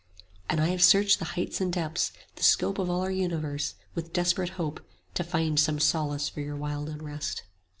And I have searched the highths and depths, the scope Of all our universe, with desperate hope 35 To find some solace for your wild unrest.